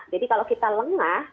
jadi kalau kita lengah